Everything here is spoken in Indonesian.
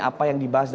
apa yang dibahas